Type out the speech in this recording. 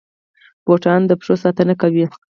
بوټان د پښو ساتنه کوي